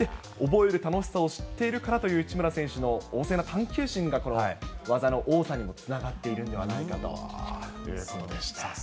覚える楽しさを知っているからという内村選手の旺盛な探求心が、この技の多さにもつながっているんではないかということでした。